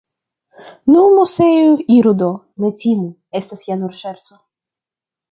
Nu, Moseo, iru do, ne timu, estas ja nur ŝerco.